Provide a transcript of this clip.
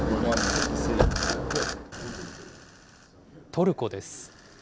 トルコです。